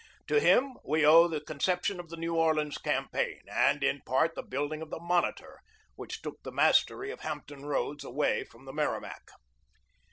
To him we owe the conception of the New Orleans campaign and, in part, the building of the Monitor, which took the mastery of Hampton Roads away from the Merrimac.